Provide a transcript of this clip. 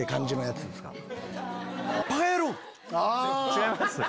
違います